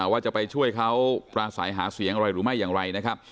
ว่าจะไปช่วยเขาปราศัยหาเสียงอะไรหรือไม่อย่างไรนะครับ